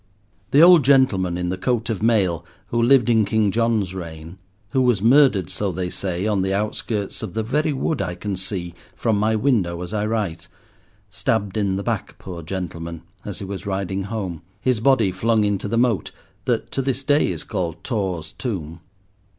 The old gentleman in the coat of mail, who lived in King John's reign, who was murdered, so they say, on the outskirts of the very wood I can see from my window as I write—stabbed in the back, poor gentleman, as he was riding home, his body flung into the moat that to this day is called Tor's tomb.